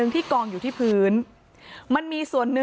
ตอนต่อไป